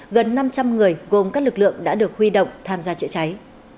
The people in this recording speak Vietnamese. gần năm trăm linh người gồm các lực lượng đã được huy động tham gia chữa cháy